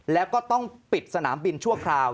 แล้วก็ต้องปิดสนามบินชั่วคราว